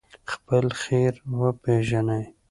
خپل خیر وپېژنئ.